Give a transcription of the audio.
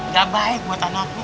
gak baik buat anak lo